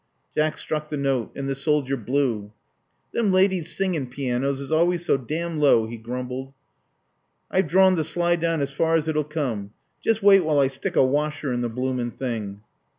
Jack struck the note; and the soldier blew. Them ladies' singin' pianos is always so damn low," he grumbled. I've drom the slide as far as it'll come. Just wait while I stick a washer in the bloomin' thing."